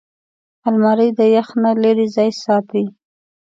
الماري د یخ نه لېرې ځای ساتي